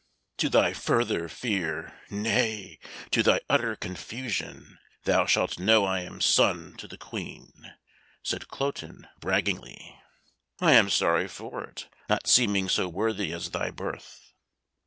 "To thy further fear nay, to thy utter confusion thou shalt know I am son to the Queen," said Cloten braggingly. "I am sorry for it, not seeming so worthy as thy birth."